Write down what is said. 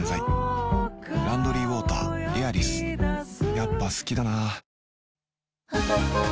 やっぱ好きだな